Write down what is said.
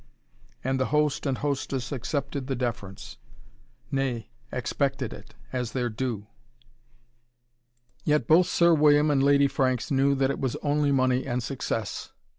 And the host and hostess accepted the deference, nay, expected it, as their due. Yet both Sir William and Lady Franks knew that it was only money and success.